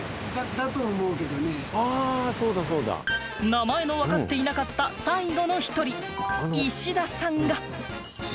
名前の分かっていなかった最後の１人